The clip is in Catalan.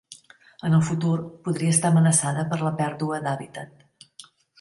En el futur, podria estar amenaçada per la pèrdua d'hàbitat.